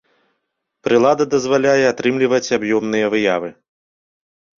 Прылада дазваляе атрымліваць аб'ёмныя выявы.